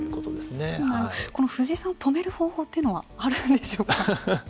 この藤井さんを止める方法というのはあるんでしょうか。